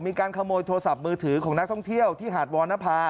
มีการขโมยโทรศัพท์มือถือของนักท่องเที่ยวที่หาดวรรณภา